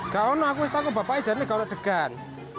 kalo enak aku istangku bapak aja nih kalau degan